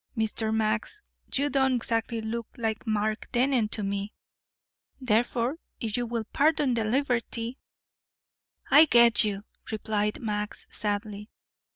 Mr. Max, you don't exactly look like Mark Dennen to me, therefore if you will pardon the liberty " "I get you," replied Max sadly.